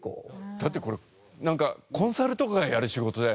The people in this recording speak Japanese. だってこれなんかコンサルとかがやる仕事だよね。